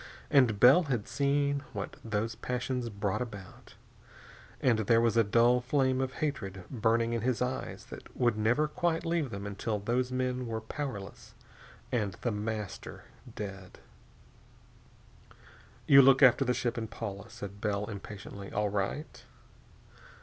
And Bell had seen what those passions brought about, and there was a dull flame of hatred burning in his eyes that would never quite leave them until those men were powerless and The Master dead. "You'll look after the ship and Paula," said Bell impatiently. "All right?"